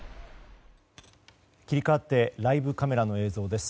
切り替わってライブカメラの映像です。